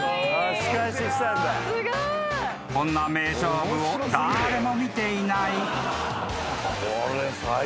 ［こんな名勝負を誰も見ていない］